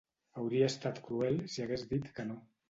Hauria estat cruel si hagués dit que no.